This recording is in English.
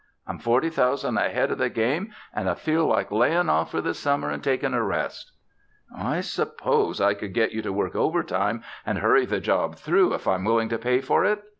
I'm forty thousand ahead o' the game and I feel like layin' off for the summer and takin' a rest." "I suppose I could get you to work overtime and hurry the job through if I'm willing to pay for it?"